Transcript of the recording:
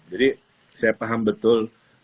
jadi saya paham betul